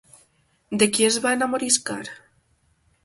De qui es va enamoriscar?